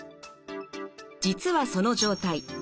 実はその状態